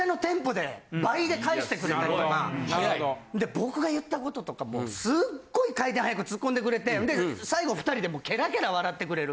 僕が言った事とかもすっごい回転速く突っ込んでくれてで最後２人でもうケラケラ笑ってくれる。